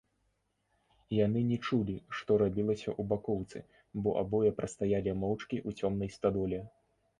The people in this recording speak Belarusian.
Яны не чулі, што рабілася ў бакоўцы, бо абое прастаялі моўчкі ў цёмнай стадоле.